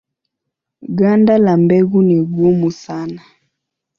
Ganda la mbegu ni gumu sana.